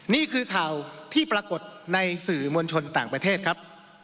นี่คือข่าวที่ปรากฏในสื่อมวลชนต่างประเทศครับ